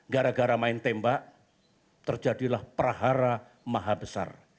gara gara main tembak terjadilah prahara maha besar